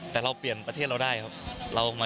แต่เราเปลี่ยนประเทศเราได้ครับ